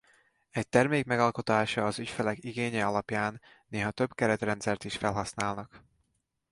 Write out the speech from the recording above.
Egy termék megalkotása az ügyfelek igényei alapján néha több keretrendszert is felhasználnak.